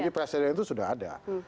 jadi presiden itu sudah ada